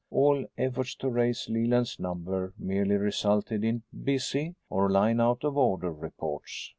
All efforts to raise Leland's number merely resulted in "busy" or "line out of order" reports.